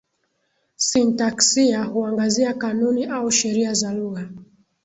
Sintaksia huangazia kanuni au sheria za lugha.